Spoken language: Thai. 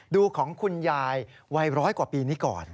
ดูของคุณยายวัยร้อยกว่าปีนี้ก่อน